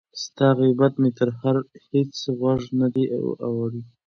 ستا غیبت مي تر هیڅ غوږه نه دی وړی